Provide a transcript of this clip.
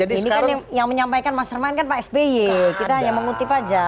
ini kan yang menyampaikan mastermind kan pak sby kita hanya mengutip saja